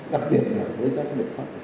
đặc biệt là với các cái biệt phẩm